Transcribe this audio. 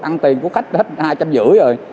ăn tiền của khách hết hai trăm năm mươi rồi